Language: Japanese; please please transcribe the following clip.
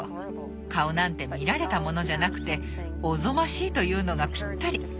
顔なんて見られたものじゃなくておぞましいというのがぴったり。